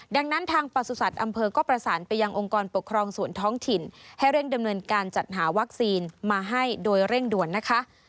ดังนั้นทางประสุทธิ์อำเภอก็ประสานไปยังองค์กรปกครองส่วนท้องถิ่นให้เร่งดำเนินการจัดหาวัคซีนมาให้โดยเร่งด่วนนะคะ